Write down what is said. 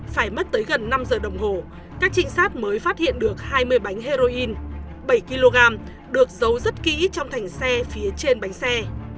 phải mất tới gần năm giờ đồng hồ các trinh sát mới phát hiện được hai mươi bánh heroin bảy kg được giấu rất kỹ trong thành xe phía trên bánh xe